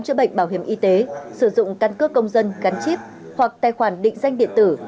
chữa bệnh bảo hiểm y tế sử dụng căn cước công dân gắn chip hoặc tài khoản định danh điện tử